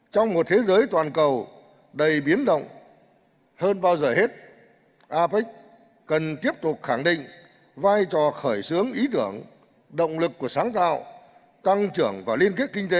trong một thế giới toàn cầu đầy biến động hơn bao giờ hết apec cần tiếp tục khẳng định vai trò khởi xướng ý tưởng động lực của sáng tạo tăng trưởng và liên kết kinh tế